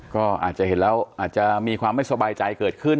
ก็อาจจะเห็นแล้วอาจจะมีความไม่สบายใจเกิดขึ้น